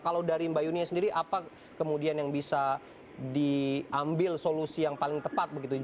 kalau dari mbak yunia sendiri apa kemudian yang bisa diambil solusi yang paling tepat begitu